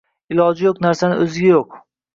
Iloji yo'q narsani o'zi yo'q.